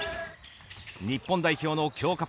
日本代表の強化